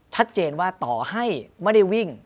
ชัดเจนว่าต่อให้ไม่ได้วิ่ง